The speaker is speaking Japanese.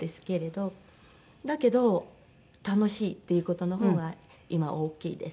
だけど楽しいっていう事の方が今は大きいです